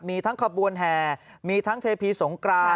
มีทั้งขบวนแห่มีทั้งเทพีสงกราน